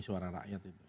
suara rakyat itu